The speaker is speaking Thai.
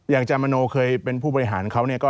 อย่างจามโมโนเคยเป็นผู้บริหารเขา